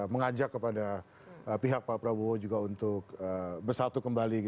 mengajak kepada pihak pak prabowo juga untuk bersatu kembali